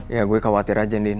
ya gua khawatir aja andin